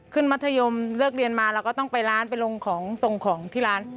มัธยมเลิกเรียนมาเราก็ต้องไปร้านไปลงของส่งของที่ร้าน